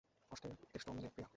কষ্টে কেষ্ট মেলে, প্রিয়া।